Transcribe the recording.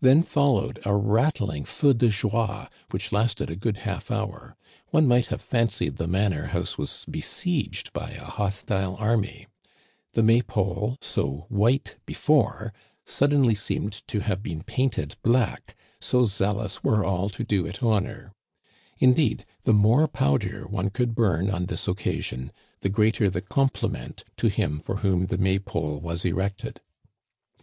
Then followed a rattling feu de joicy which lasted a good half hour. One might have fancied the manor house was besieged by a hostile army. The May pole, so white before, seemed suddenly to have been painted black, so zealous were all to do it honor. Indeed, the more powder one could bum on this occasion, the greater the compliment to him for whom the May pole was erected.